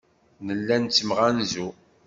Nella nettemɣanzu.